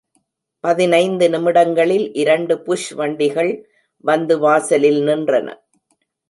பதினைந்து நிமிடங்களில் இரண்டு புஷ் வண்டிகள் வந்து வாசலில் நின்றன.